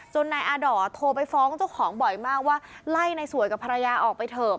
นายอาด่อโทรไปฟ้องเจ้าของบ่อยมากว่าไล่ในสวยกับภรรยาออกไปเถอะ